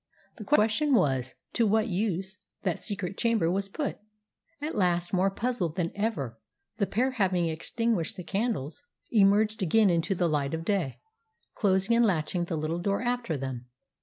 The question was, to what use that secret chamber was put? At last, more puzzled than ever, the pair, having extinguished the candles, emerged again into the light of day, closing and latching the little door after them.